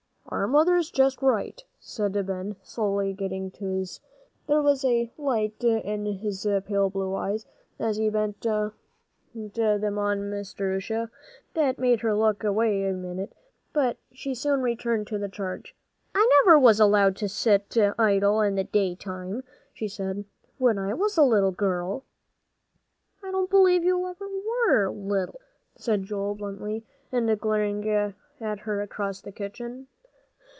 "Our mother's just right," said Ben, slowly getting to his feet. There was a light in his pale blue eyes as he bent them on Miss Jerusha, that made her look away a minute, but she soon returned to the charge. "I never was allowed to sit idle in the day time," she said, "when I was a little girl." "I don't believe you ever were little," said Joel, bluntly, and glaring at her across the kitchen.